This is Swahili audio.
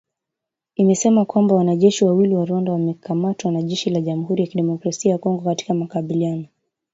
Imesema kwamba wanajeshi wawili wa Rwanda wamekamatwa na jeshi la Jamhuri ya kidemokrasia ya Kongo katika makabiliano.